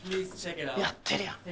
やってるやん。